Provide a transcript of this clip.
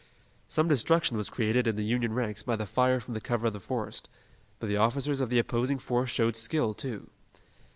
Some destruction was created in the Union ranks by the fire from the cover of the forest, but the officers of the opposing force showed skill, too.